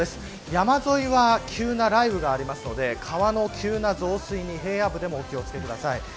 山沿いは急な雷雨がありますので川の急な増水に平野部でもお気を付けください。